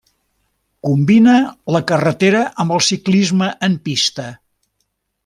Combina la carretera amb el ciclisme en pista.